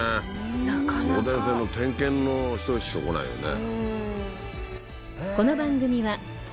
なかなか送電線の点検の人しか来ないよね